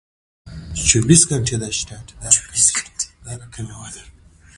نومیز عبارت پر پنځه ډوله دئ.